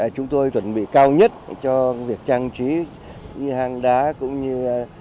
chúng tôi chuẩn bị cao nhất cho việc trang trí hang đá cũng như